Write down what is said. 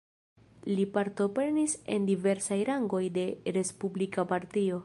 Li partoprenis en diversaj rangoj de Respublika Partio.